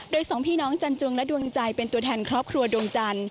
โดยสองพี่น้องจันจวงและดวงใจเป็นตัวแทนครอบครัวดวงจันทร์